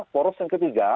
poros yang ketiga